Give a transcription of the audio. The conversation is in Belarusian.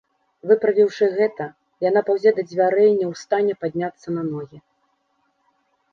Выправіўшы гэта, яна паўзе да дзвярэй, ня ў стане падняцца на ногі.